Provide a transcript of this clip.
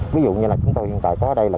ví dụ như là chúng tôi hiện tại có đây là